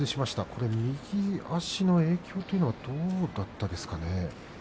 これは右足の影響というのはどうだったですかね。